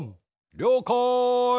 りょうかい。